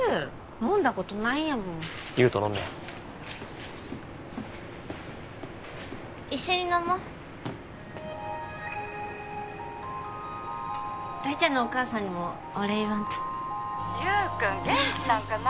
飲んだことないんやもん優と飲めよ一緒に飲もう大ちゃんのお母さんにもお礼言わんと☎優君元気なんかな？